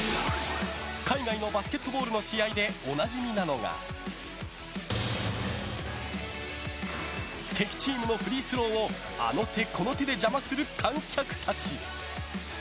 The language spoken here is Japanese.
海外のバスケットボールの試合でおなじみなのが敵チームのフリースローをあの手この手で邪魔する観客たち。